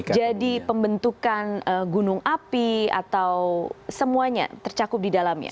jadi pembentukan gunung api atau semuanya tercakup di dalamnya